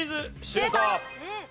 シュート！